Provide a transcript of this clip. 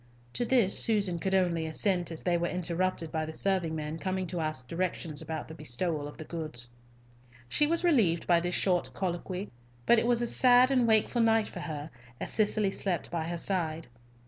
To this Susan could only assent, as they were interrupted by the serving man coming to ask directions about the bestowal of the goods. She was relieved by this short colloquy, but it was a sad and wakeful night for her as Cicely slept by her side.